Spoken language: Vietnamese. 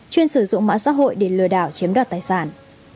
chuyên sử dụng mạng xã hội để lừa đảo chiếm đoạt tài sản